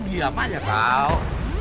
giam aja tahu